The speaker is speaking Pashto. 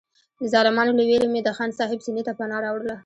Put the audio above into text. د ظالمانو له وېرې مې د خان صاحب سینې ته پناه راوړله.